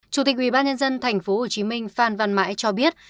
chủ tịch ubnd tp hcm phan văn mãi cho biết